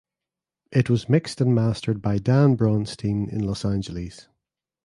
It was mixed and mastered by Dan Braunstein in Los Angeles.